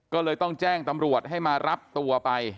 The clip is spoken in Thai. ก็เลยต้องแจ้งตำรวจให้มารับตัวไป